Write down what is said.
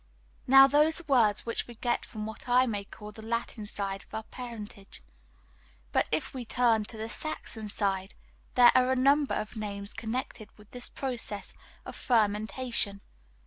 Now those are words which we get from what I may call the Latin side of our parentage; but if we turn to the Saxon side, there are a number of names connected with this process of fermentation.